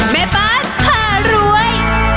แม่บ้านผ่ารวย